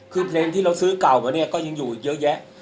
คือเพลงที่เราซื้อเก่ามาเนี่ยก็ยังอยู่อีกเยอะแยะ